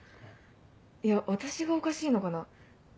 いや私がおかしいのかな？